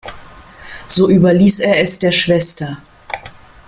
So überließ er es der Schwester.